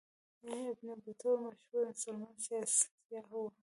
ابن بطوطه مشهور مسلمان سیاح و.